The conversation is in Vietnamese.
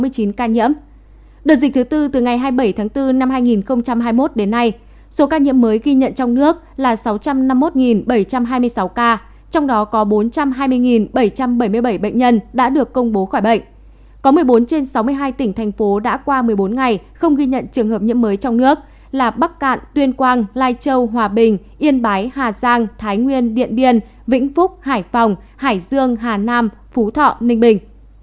có một mươi bốn trên sáu mươi hai tỉnh thành phố đã qua một mươi bốn ngày không ghi nhận trường hợp nhiễm mới trong nước là bắc cạn tuyên quang lai châu hòa bình yên bái hà giang thái nguyên điện biên vĩnh phúc hải phòng hải dương hà nam phú thọ ninh bình